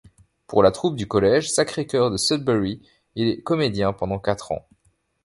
Pour la troupe du Collège Sacré-Cœur de Sudbury, il est comédien pendant quatre ans.